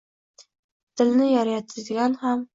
dilni yayratadigan ham